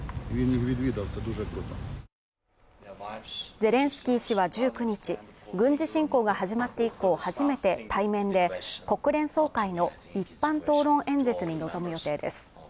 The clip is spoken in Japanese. ゼレンスキー氏は１９日軍事侵攻が始まって以降初めて対面で国連総会の一般討論演説に臨む予定です